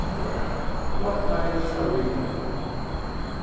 "Well, what night shall we go?"